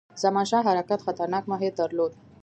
زمانشاه حرکت خطرناک ماهیت درلود.